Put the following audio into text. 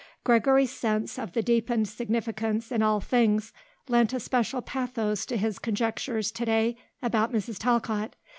Gregory's sense of the deepened significance in all things lent a special pathos to his conjectures to day about Mrs. Talcott.